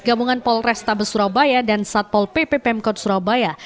gabungan polrestabes surabaya dan satpol pp pemkot surabaya